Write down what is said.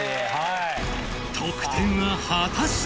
得点は果たして？